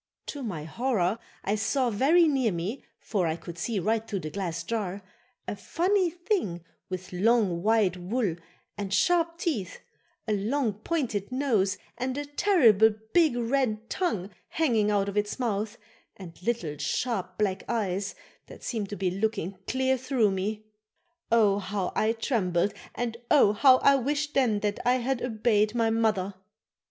To my horror I saw very near me, for I could see right through the glass jar, a funny thing with long white wool and sharp teeth, a long, pointed nose and a terrible big red tongue hanging out of its mouth and little sharp black eyes that seemed to be looking clear through me. Oh! how I trembled and oh! how I wished then that I had obeyed my mother.